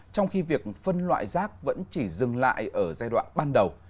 trong khi việc phân loại rác vẫn chỉ dừng lại ở giai đoạn ban đầu